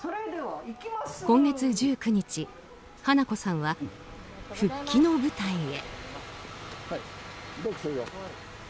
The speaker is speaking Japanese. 今月１９日花子さんは復帰の舞台へ。